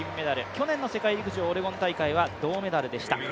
去年の世界陸上オレゴン大会は銅メダルでした。